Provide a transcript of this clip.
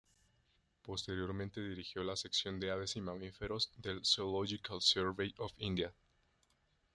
Posteriormente dirigió la sección de aves y mamíferos del Zoological Survey of India.